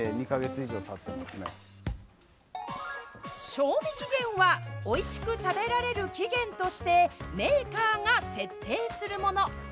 賞味期限はおいしく食べられる期限としてメーカーが設定するもの。